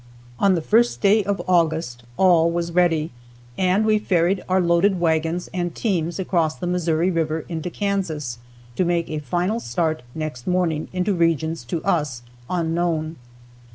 On the 1st day of August, all was ready, and we ferried our loaded wagons and teams across the Missouri River into Kansas to make a final start next morning into regions to us unknown.